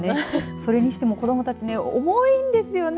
それにしても子どもたち重いんですよね。